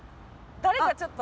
誰かちょっと。